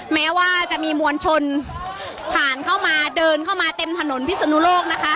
แม้ว่าจะมีมวลชนผ่านเดินเข้ามาเต็มถนนพิสูนโลก